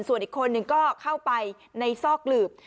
ส่วนอีกคนหนึ่งก็เข้าไปในซอกหลืบ